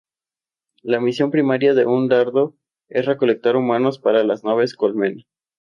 La misión primaria de un dardo es recolectar humanos para las naves colmena.